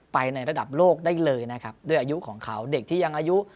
ในระดับโลกได้เลยนะครับด้วยอายุของเขาเด็กที่ยังอายุ